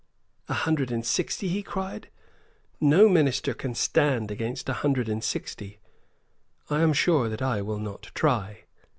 "A hundred and sixty!" he cried: "No minister can stand against a hundred and sixty. I am sure that I will not try."